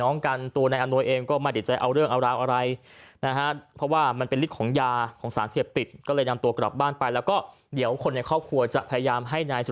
เนื่องจากว่าก็เป็นญาติผีน้องกัน